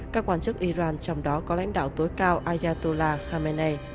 các quan chức iran trong đó có lãnh đạo tối cao ayatola khamenei